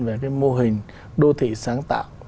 về mô hình đô thị sáng tạo